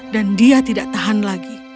dan dia tidak tahan lagi